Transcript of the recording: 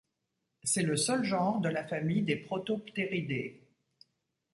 C'est le seul genre de la famille des Protopteridae.